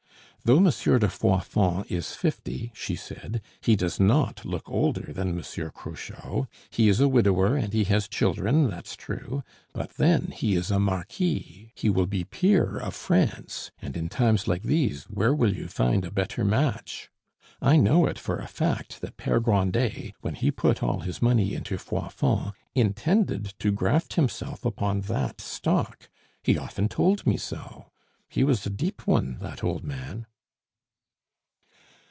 "Though Monsieur de Froidfond is fifty," she said, "he does not look older than Monsieur Cruchot. He is a widower, and he has children, that's true. But then he is a marquis; he will be peer of France; and in times like these where you will find a better match? I know it for a fact that Pere Grandet, when he put all his money into Froidfond, intended to graft himself upon that stock; he often told me so. He was a deep one, that old man!"